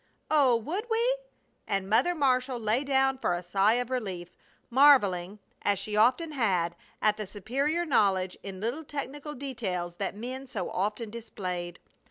"Oh! Would we?" and Mother Marshall lay down with a sigh of relief, marveling, as she often had, at the superior knowledge in little technical details that men so often displayed.